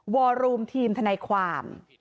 อรูมทีมทนายความ